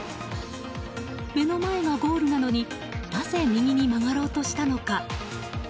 目の前がゴールなのになぜ右に曲がろうとしたのか。